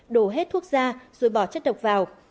đổ hết thuốc ra rồi bỏ chất độc vào